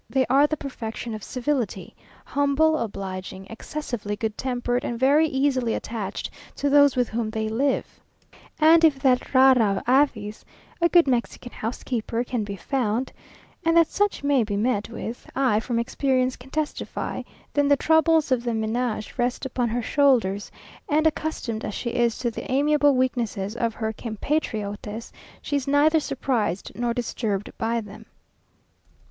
They are the perfection of civility humble, obliging, excessively good tempered, and very easily attached to those with whom they live; and if that rara avis, a good Mexican housekeeper, can be found, and that such may be met with I from experience can testify, then the troubles of the menage rest upon her shoulders, and accustomed as she is to the amiable weaknesses of her compatriotes, she is neither surprised nor disturbed by them.